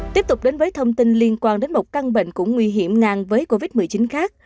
tiếp tục đến với thông tin liên quan đến một căn bệnh cũng nguy hiểm ngang với covid một mươi chín khác